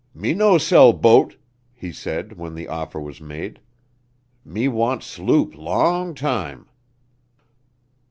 "Me no sell boat," he said, when the offer was made. "Me want sloop long time."